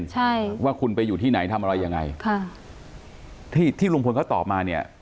ใช่ว่าคุณไปอยู่ที่ไหนทำอะไรยังไงค่ะที่ที่ลุงพลเขาตอบมาเนี่ย